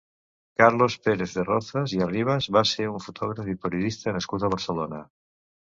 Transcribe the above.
Carlos Pérez de Rozas i Arribas va ser un fotògraf i periodista nascut a Barcelona.